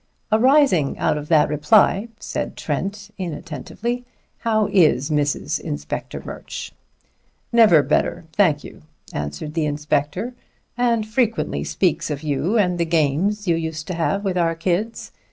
"Arising out of that reply," said Trent inattentively, "how is Mrs. Inspector Murch?" "Never better, thank you," answered the inspector, "and frequently speaks of you and the games you used to have with our kids.